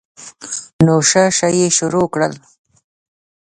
نو شه شه یې شروع کړل.